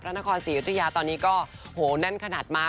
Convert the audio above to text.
นครศรีอยุธยาตอนนี้ก็โหแน่นขนาดมา